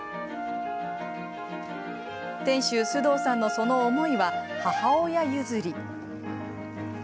店主、須藤さんのその思いは母親譲り。